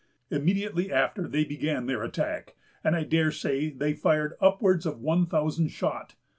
Immediately after, they began their attack; and I dare say they fired upwards of one thousand shot.